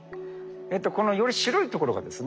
このより白いところがですね